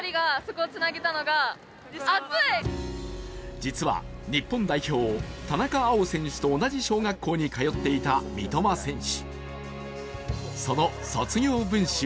実は、日本代表、田中碧選手と同じ小学校に通っていた三笘選手。